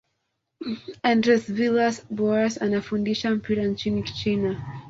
andres villas boas anafundisha mpira nchini china